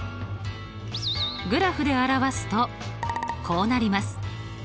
グラフで表すとこうなります。